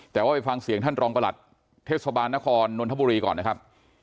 แต่ว่าไปฟังเสียงท่านรองประหลัดเทศบาลนครนนทบุรีก่อนนะครับ